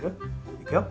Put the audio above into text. いくよ。